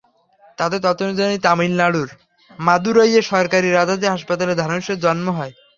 তাঁদের তথ্য অনুযায়ী, তামিলনাড়ুর মাদুরাইয়ের সরকারি রাজাজি হাসপাতালে ধানুশের জন্ম হয়।